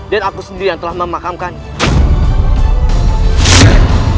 dan aku sendiri yang telah memakamkannya